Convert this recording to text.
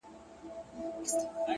پرمختګ د ځان ارزونې ته اړتیا لري!